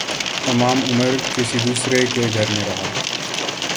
تمام عمر کسی دوسرے کے گھر میں رہا